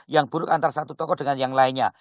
yang buruk antara satu tokoh dengan yang lainnya